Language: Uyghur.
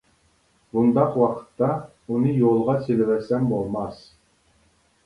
بۇنداق ۋاقىتتا ئۇنى يولغا سېلىۋەتسەم بولماس.